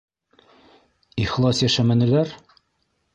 Ихлас йәшәмәнеләр?